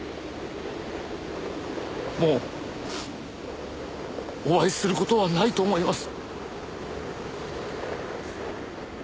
もうお会いする事はないと思います。